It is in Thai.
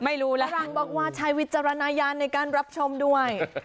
ไม่รู้แล้วฝรั่งบอกว่าใช้วิจารณญาณในการรับชมด้วย